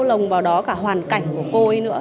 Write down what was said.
lồng vào đó cả hoàn cảnh của cô ấy nữa